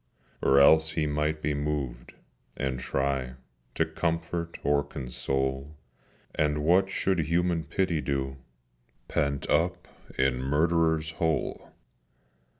Or else he might be moved, and try To comfort or console: And what should Human Pity do Pent up in Murderers' Hole?